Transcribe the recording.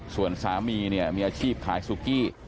ส่วนสามีเนี่ยมีอาชีพขายสุกี้